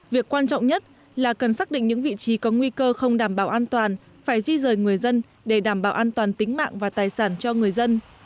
việc quan trọng nhất là cần xác định những vị trí có nguy cơ không đảm bảo an toàn phải di rời người dân để đảm bảo an toàn tính mạng và tài sản cho người dân